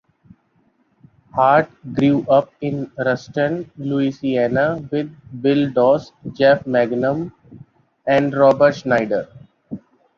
Hart grew up in Ruston, Louisiana, with Bill Doss, Jeff Mangum and Robert Schneider.